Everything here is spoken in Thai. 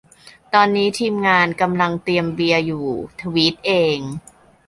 ตอนนี้ทีมงานกำลังเตรียมเบียร์อยู่ ทวีตเอง